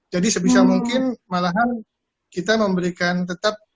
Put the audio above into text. jadi sebisa mungkin malahan kita memberikan tetap